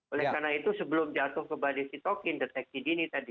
oleh karena itu sebelum jatuh ke badai sitokin deteksi dini tadi